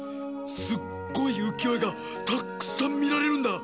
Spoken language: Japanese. すっごいうきよえがたっくさんみられるんだ。